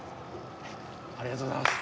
ありがとうございます。